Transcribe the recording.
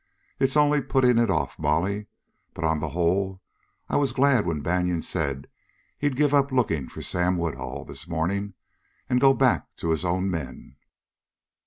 It's only putting it off, Molly, but on the whole I was glad when Banion said he'd give up looking for Sam Woodhull this morning and go on back to his own men."